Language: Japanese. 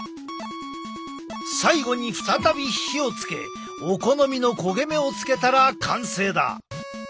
最後に再び火をつけお好みの焦げ目をつけたら完成だ！